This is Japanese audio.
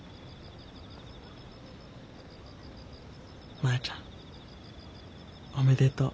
マヤちゃんおめでとう。